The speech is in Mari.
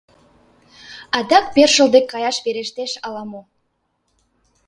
— Адак першыл дек каяш верештеш ала-мо?..